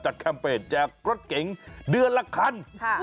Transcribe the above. จัดแคมเป็นแจกรถเก่งเดือนละคัน